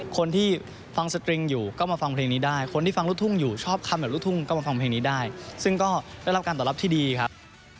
คนที่ฟังสตริงอยู่ก็มาฟังเพลงนี้ได้คนที่ฟังลูกทุ่งอยู่ชอบคำแบบลูกทุ่งก็มาฟังเพลงนี้ได้ซึ่งก็ได้รับการตอบรับที่ดีครับ